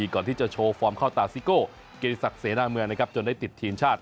ก่อนที่จะโชว์ฟอร์มเข้าตาซิโกอ์เกดิศักดิ์เสน่ห์หน้าเมืองจนได้ติดทีมชาติ